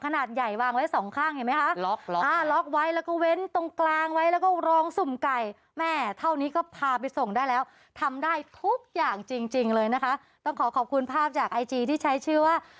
นะคะต้องขอขอบคุณภาพจากไอจีที่ใช้ชื่อว่า